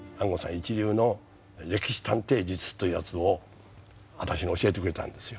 一流の「歴史探偵術」というやつを私に教えてくれたんですよ。